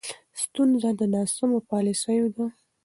ستونزه د ناسمو پالیسیو ده.